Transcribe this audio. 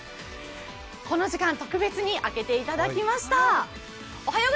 この時間、特別に開けていただきました。